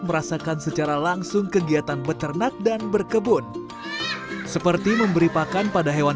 merasakan secara langsung kegiatan beternak dan berkebun seperti memberi pakan pada hewan